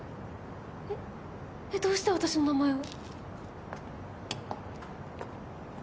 えっえっどうして私の名前を？